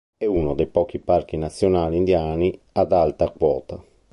È uno dei pochi parchi nazionali indiani ad alta quota.